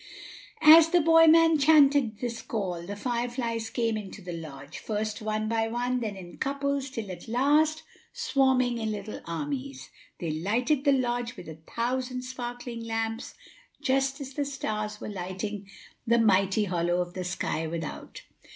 = As the boy man chanted this call, the fire flies came into the lodge, first one by one, then in couples, till at last, swarming in little armies, they lighted the lodge with a thousand sparkling lamps, just as the stars were lighting the mighty hollow of the sky without.